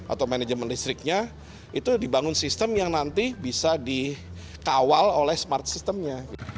atau manajemen listriknya itu dibangun sistem yang nanti bisa dikawal oleh smart systemnya